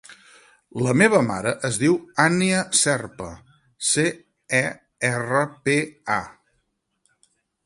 La meva mare es diu Ànnia Cerpa: ce, e, erra, pe, a.